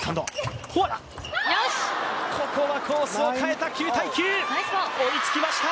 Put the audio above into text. ここはコースを変えた、９−９、追いつきました。